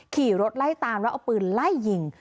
ขี่รถไล่ตามแล้วเอาปืนไล่ยิง